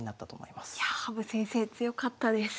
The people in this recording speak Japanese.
いやあ羽生先生強かったです。